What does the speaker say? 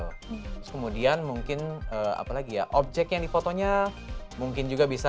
terus kemudian mungkin apalagi ya objek yang difotonya mungkin juga bisa